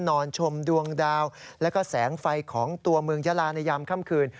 ชมดวงดาวแล้วก็แสงไฟของตัวเมืองยาลาในยามค่ำคืน